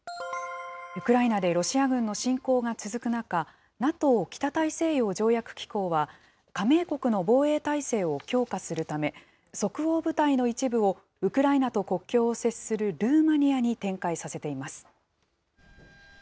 ウクライナでロシア軍の侵攻が続く中、ＮＡＴＯ・北大西洋条約機構は、加盟国の防衛態勢を強化するため、即応部隊の一部をウクライナと国境を接するルーマニアに展開させています。